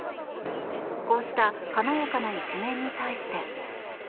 こうした華やかな一面に対して。